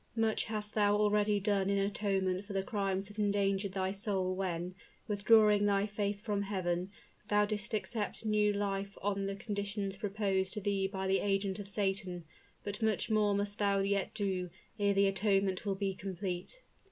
Much hast thou already done in atonement for the crime that endangered thy soul when, withdrawing thy faith from Heaven, thou didst accept new life on the conditions proposed to thee by the agent of Satan; but much more must thou yet do, ere that atonement will be complete!"